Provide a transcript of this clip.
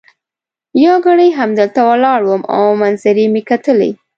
یو ګړی همدلته ولاړ وم او منظرې مي کتلې.